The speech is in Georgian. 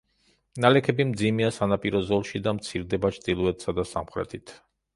ნალექები მძიმეა სანაპირო ზოლში და მცირდება ჩრდილოეთსა და სამხრეთით.